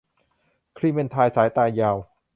คลีเมนไทน์สายตายาว